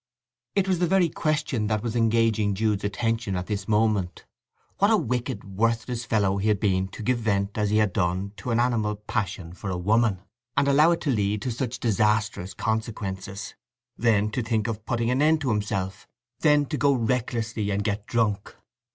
It was the very question that was engaging Jude's attention at this moment. What a wicked worthless fellow he had been to give vent as he had done to an animal passion for a woman, and allow it to lead to such disastrous consequences; then to think of putting an end to himself; then to go recklessly and get drunk.